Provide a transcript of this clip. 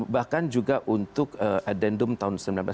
bahkan juga untuk adendum tahun seribu sembilan ratus sembilan puluh